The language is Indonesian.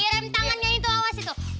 kirim tangannya itu awas itu